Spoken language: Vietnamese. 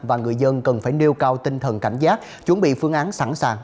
và người dân cần phải nêu cao tinh thần cảnh giác chuẩn bị phương án sẵn sàng